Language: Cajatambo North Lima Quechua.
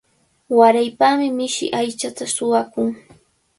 Waraypami mishi aychata suwakun.